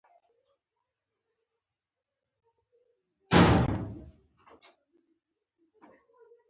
ازادي راډیو د سیاست په اړه تفصیلي راپور چمتو کړی.